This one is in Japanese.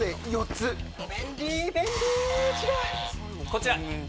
こちら。